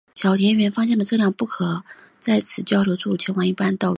小田原方向的车辆不可在此交流道前往一般道路。